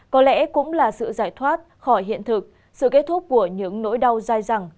có lẽ cũng là sự giải thoát khỏi hiện thực sự kết thúc của những nỗi đau dai dẳng